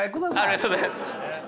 ありがとうございます。